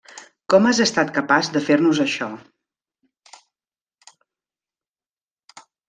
Com has estat capaç de fer-nos això?